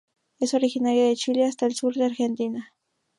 Es originaria de Chile hasta el sur de Argentina.